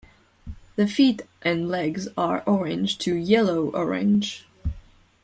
The feet and legs are orange to yellow-orange.